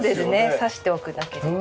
挿しておくだけで。